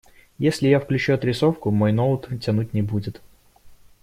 Если я включу отрисовку, мой ноут тянуть не будет.